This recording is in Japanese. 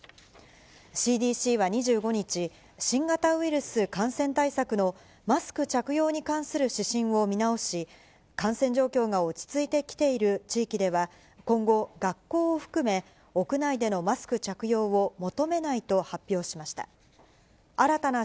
ＣＤＣは２５日、新型ウイルス感染対策のマスク着用に関する指針を見直し、感染状況が落ち着いてきている地域では、今後、学校を含め、屋内でのマスク着用を求めないと発表しました。